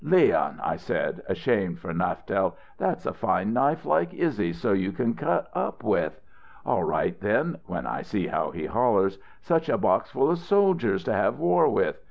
'Leon,' I said, ashamed for Naftel, 'that's a fine knife like Izzy's so you can cut up with.' 'All right then' when I see how he hollers 'such a box full of soldiers to have war with.'